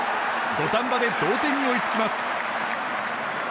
土壇場で同点に追いつきます。